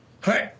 はい。